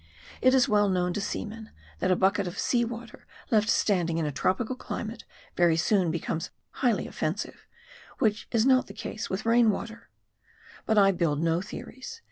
It is well known to seamen, that a bucket of sea water, left standing in a tropical climate, very soon becomes highly offensive ; which is not the case with rain water. 136 M A R D I. But I build no theories.